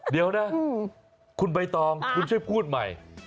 เดี๋ยวนะคุณใบตองคุณช่วยพูดใหม่